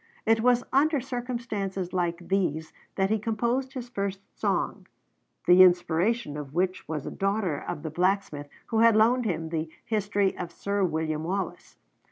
It was under circumstances like these that he composed his first song, the inspiration of which was a daughter of the blacksmith who had loaned him the 'History of Sir William Wallace.'